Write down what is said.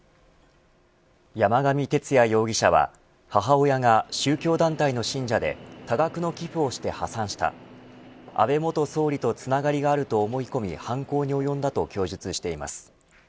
山上徹也容疑者は母親が宗教団体の信者で多額の寄付をして破産した安倍元総理とつながりがあると思い込み犯行に及んだと供述しています。